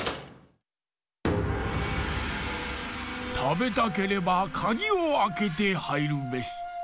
たべたければかぎをあけてはいるべし。